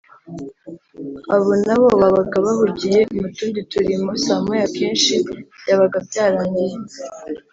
Abo nabo babaga bahugiye mu tundi turimo saa moya akenshi byabaga byarangiye